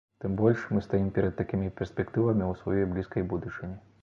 Тым больш, мы стаім перад такімі перспектывамі ў сваёй блізкай будучыні.